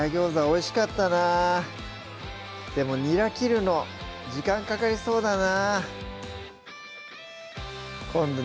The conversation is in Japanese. おいしかったなでもにら切るの時間かかりそうだなあっぷっぷ